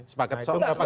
sepakat soal apa ini